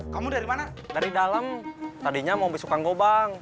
kamu dari mana dari dalam tadinya mau besok kareng nembang